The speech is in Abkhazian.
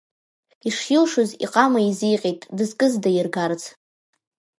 Ишилшоз иҟама изиҟьеит дызкыз даиргарц.